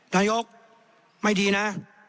นายกไม่ดีนะ